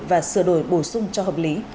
và sửa đổi bổ sung cho hợp lý